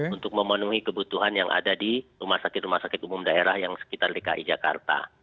untuk memenuhi kebutuhan yang ada di rumah sakit rumah sakit umum daerah yang sekitar dki jakarta